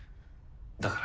だから。